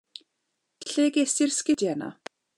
Lle gest ti'r 'sgidia 'na?